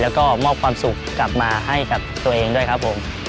แล้วก็มอบความสุขกลับมาให้กับตัวเองด้วยครับผม